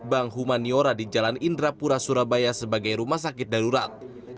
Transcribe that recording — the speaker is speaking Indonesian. bank humaniora di jalan indrapura surabaya sebagai rumah sakit darurat